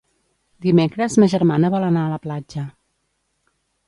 Dimecres ma germana vol anar a la platja.